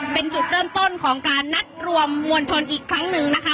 เป็นจุดเริ่มต้นของการนัดรวมมวลชนอีกครั้งหนึ่งนะคะ